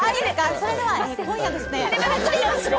それでは今夜ですね。